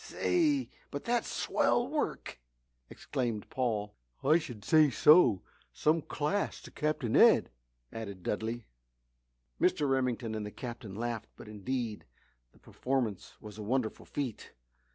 "Say, but that's swell work!" exclaimed Paul. "I should say so some class to Captain Ed!" added Dudley. Mr. Remington and the Captain laughed but, indeed, the performance was a wonderful feat.